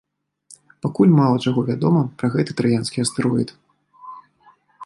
Пакуль мала чаго вядома пра гэты траянскі астэроід.